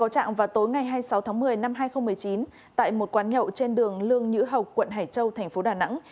sáu tháng một mươi năm hai nghìn một mươi chín tại một quán nhậu trên đường lương nhữ hộc quận hải châu thành phố đà nẵng